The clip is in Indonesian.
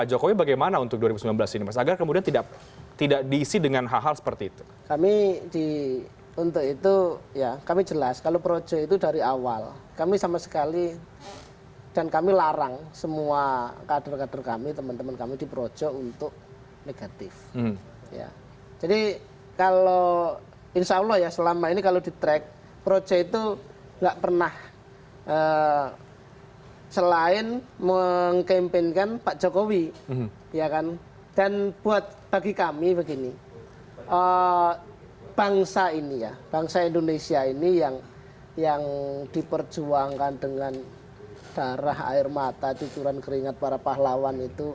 joko yang lain mungkin juga di medsos kan ada juga